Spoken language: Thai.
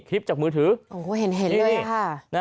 จากมือถือโอ้โหเห็นเลยค่ะ